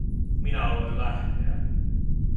Minä aloin lähteä.